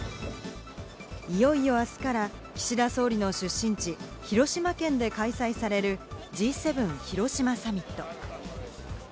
いよいよ明日から岸田総理の出身地・広島県で開催されるＧ７広島サミット。